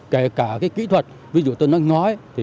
kể cả kỹ thuật ví dụ tôi nói